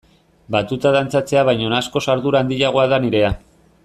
Batuta dantzatzea baino askoz ardura handiagoa da nirea.